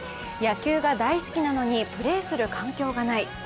野球が大好きなのにプレーする環境がない。